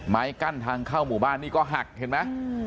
ไม้กั้นทางเข้าหมู่บ้านนี่ก็หักเห็นไหม